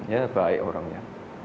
ya baik orangnya